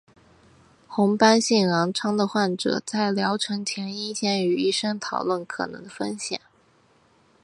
红斑性狼疮的患者在疗程前应先与医生讨论可能的风险。